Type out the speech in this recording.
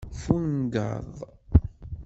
Ffungeḍ.